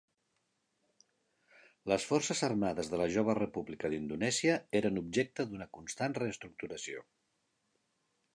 Les forces armades de la jove República d'Indonèsia eren objecte d'una constant reestructuració.